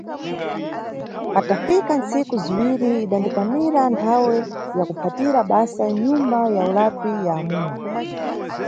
Patafika ntsiku ziwiri idandikwanira nthawe ya kuphatira basa mnyumba ya ulapi ya amuna.